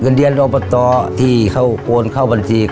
เงินเดือนอบตที่เขาโอนเข้าบัญชี